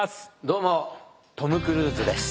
どうもトム・クルーズです。